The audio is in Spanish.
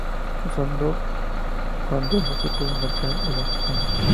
Usado cuando no se puede marcar el antígeno.